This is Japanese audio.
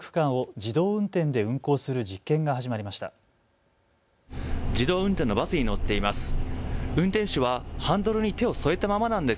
自動運転のバスに乗っています。